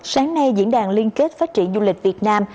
sáng nay diễn đàn liên kết phát triển du lịch việt nam